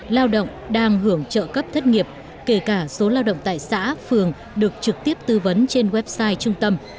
lao động đang hưởng trợ cấp thất nghiệp kể cả số lao động tại xã phường được trực tiếp tư vấn trên website trung tâm